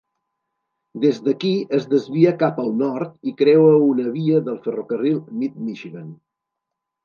Des d'aquí es desvia cap al nord i creua una via del ferrocarril Mid-Michigan.